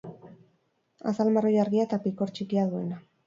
Azal marroi argia eta pikor txikia duena.